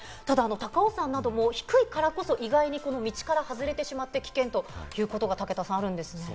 高尾山も低いからこそ道から外れてしまって、危険ということが武田さん、あるんですね。